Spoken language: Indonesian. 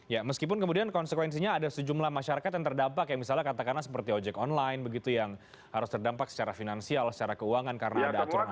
ya meskipun kemudian konsekuensinya ada sejumlah masyarakat yang terdampak yang misalnya katakanlah seperti ojek online begitu yang harus terdampak secara finansial secara keuangan karena ada aturan aturan